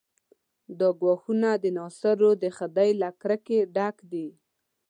دا ګواښونه د ناصرو د خدۍ له کرکې ډک دي.